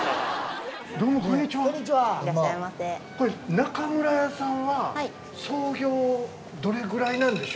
中村屋さんは創業どれぐらいなんでしょうか？